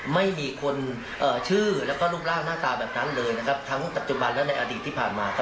ไม่มีคนเอ่อชื่อแล้วก็รูปร่างหน้าตาแบบนั้นเลยนะครับทั้งปัจจุบันและในอดีตที่ผ่านมาครับ